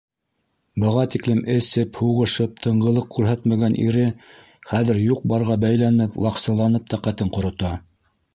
Быға тиклем эсеп, һуғышып, тынғылыҡ күрһәтмәгән ире хәҙер юҡ-барға бәйләнеп, ваҡсылланып тәҡәтен ҡорота.